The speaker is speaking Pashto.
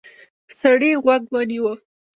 سړی غوږ ونیو.